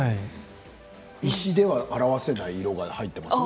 石では表せない色が入ってますね。